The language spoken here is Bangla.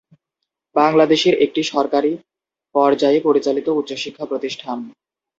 বাংলাদেশের একটি সরকারী পর্যায়ে পরিচালিত উচ্চ শিক্ষা প্রতিষ্ঠান।